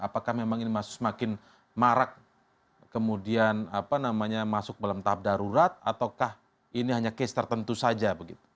apakah memang ini semakin marak kemudian masuk dalam tahap darurat ataukah ini hanya kes tertentu saja